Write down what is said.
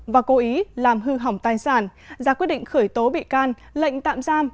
và cố ý làm hư hỏng tài sản ra quyết định khởi tố bị can lệnh tạm giam